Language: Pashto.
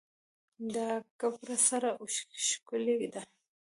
دا کپړه سره او ښکلې ده